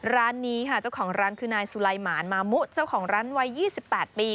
ร้านนี้ค่ะเจ้าของร้านคือนายสุลัยหมานมามุเจ้าของร้านวัย๒๘ปี